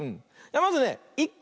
まずね１こ。